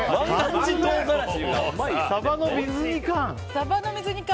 サバの水煮缶？